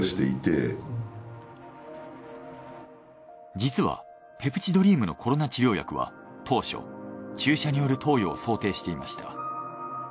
実はペプチドリームのコロナ治療薬は当初注射による投与を想定していました。